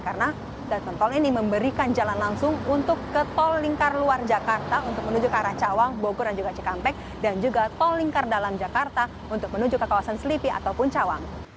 karena jalan tol ini memberikan jalan langsung untuk ke tol lingkar luar jakarta untuk menuju ke arah cawang bogor dan juga cikampek dan juga tol lingkar dalam jakarta untuk menuju ke kawasan selipi ataupun cawang